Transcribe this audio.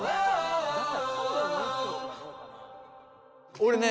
俺ね